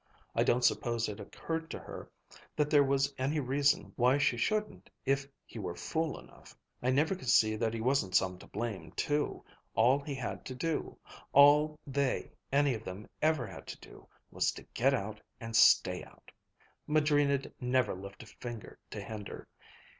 I don't suppose it occurred to her that there was any reason why she shouldn't if he were fool enough. I never could see that he wasn't some to blame too. All he had to do all they any of them ever had to do, was to get out and stay out. Madrina'd never lift a finger to hinder.